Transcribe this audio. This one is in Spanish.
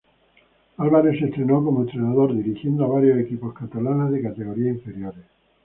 Álvarez se estrenó como entrenador dirigiendo a varios equipos catalanes de categorías inferiores.